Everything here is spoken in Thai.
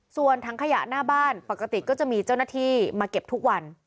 ส่วนถังขยะหน้าบ้านปกติก็จะมีเจ้าหน้าที่มาเก็บทุกวัน